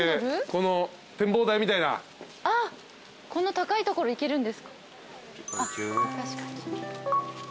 こんな高い所行けるんですか。